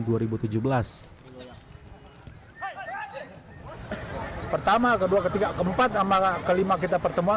pertama kedua ketiga keempat sama kelima kita pertemuan